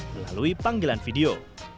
melalui panggilan video